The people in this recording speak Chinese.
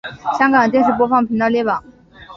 香港电视播放频道列表